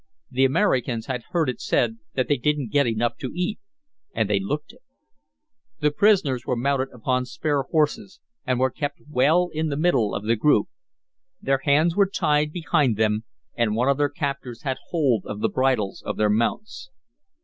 The Americans had heard it said that they didn't get enough to eat, and they looked it. The prisoners were mounted upon spare horses, and were kept well in the middle of the group. Their hands were tied behind them, and one of their captors had hold of the bridles of their mounts.